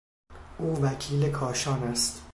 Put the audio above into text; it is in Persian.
او وکیل کاشان است.